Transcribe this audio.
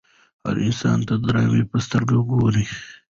هر انسان ته د درناوي په سترګه وګورئ.